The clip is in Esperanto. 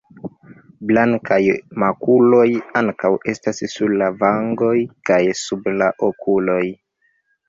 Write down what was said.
Blankaj makuloj ankaŭ estas sur la vangoj kaj sub la okuloj.